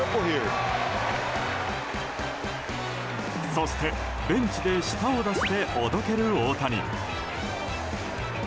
そして、ベンチで舌を出しておどける大谷。